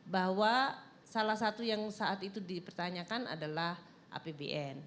bahwa salah satu yang saat itu dipertanyakan adalah apbn